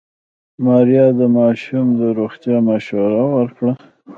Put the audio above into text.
ماريا د ماشوم د روغتيا مشوره ورکړه.